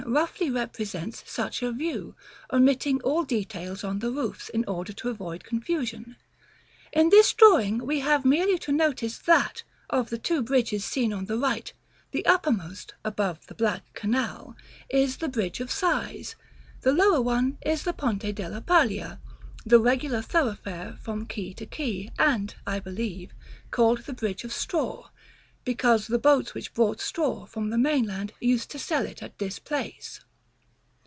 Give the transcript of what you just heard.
roughly represents such a view, omitting all details on the roofs, in order to avoid confusion. In this drawing we have merely to notice that, of the two bridges seen on the right, the uppermost, above the black canal, is the Bridge of Sighs; the lower one is the Ponte della Paglia, the regular thoroughfare from quay to quay, and, I believe, called the Bridge of Straw, because the boats which brought straw from the mainland used to sell it at this place.